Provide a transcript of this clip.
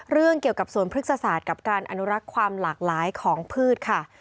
เรื่องเกี่ยวกับสวนพฤกษศาสตร์กับการอนุรักษ์ความหลากหลายของพืชค่ะ